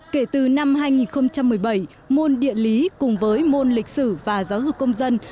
kể từ năm hai nghìn một mươi bảy môn địa lý cùng với môn lịch sử và giáo dục công dân